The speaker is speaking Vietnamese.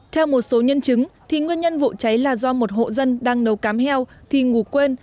theo một số nhân chứng nguyên nhân vụ cháy là do một hộ dân đang nấu cám heo thì ngủ quên